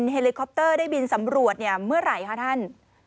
เฮลิคอปเตอร์ได้บินสำรวจเมื่อไหร่คะท่าน